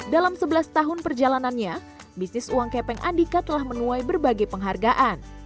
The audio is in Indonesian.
dalam sebelas tahun perjalanannya bisnis uang kepeng andika telah menuai berbagai penghargaan